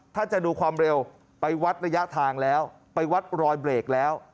ถ้าจะดูความเร็วไปวัดระยะทางแล้วไปวัดรอยเบรกแล้ว